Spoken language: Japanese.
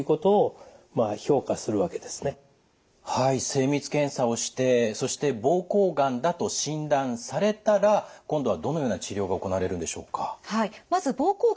精密検査をしてそして膀胱がんだと診断されたら今度はどのような治療が行われるんでしょうか。